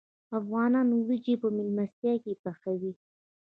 افغانان وریجې په میلمستیا کې پخوي.